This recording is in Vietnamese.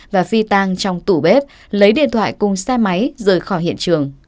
và phi tang trong tủ bếp lấy điện thoại cùng xe máy rời khỏi hiện trường